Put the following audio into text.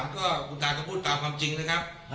ก็คุณตาก็พูดตามความจริงนะครับ